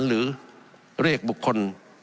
หรือเรียกบุคคล